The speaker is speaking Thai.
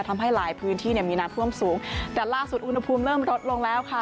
ทำให้หลายพื้นที่เนี่ยมีน้ำท่วมสูงแต่ล่าสุดอุณหภูมิเริ่มลดลงแล้วค่ะ